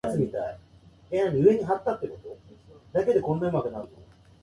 プログラミング言語を勉強する。